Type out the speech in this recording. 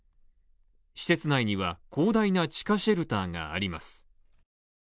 施設内には広大な地下シェルターがあります。